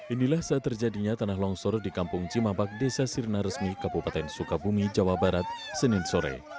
inilah saat terjadinya tanah longsor di kampung cimapak desa sirna resmi kabupaten sukabumi jawa barat senin sore